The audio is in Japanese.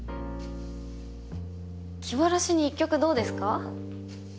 気晴らしに１曲どうですか？